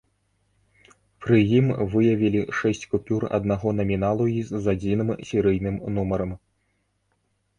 Пры ім выявілі шэсць купюр аднаго наміналу і з адзіным серыйным нумарам.